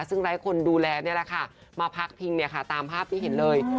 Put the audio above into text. ซึ่งไร้คนดูแลนี่แหละค่ะมาพักพิงเนี่ยค่ะตามภาพที่เห็นเลย